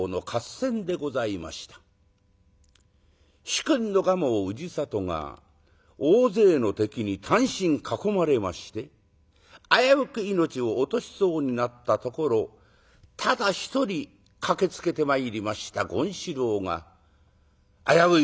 主君の蒲生氏郷が大勢の敵に単身囲まれまして危うく命を落としそうになったところただ一人駆けつけてまいりました権四郎が危うい